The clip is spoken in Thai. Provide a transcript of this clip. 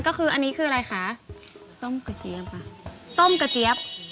ก็คืออันนี้คืออะไรคะต้มกระเจี๊ยบค่ะต้มกระเจี๊ยบ